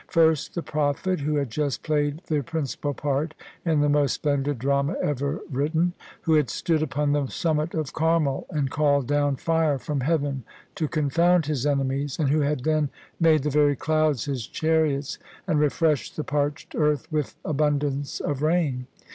First, the prophet who had just played the principal part in the most splendid drama ever written — who had stood upon the summit of Carmel and called down fire from Heaven to confound his enemies ; and who had then made the very clouds his chariots and refreshed the parched earth with abundance of rain.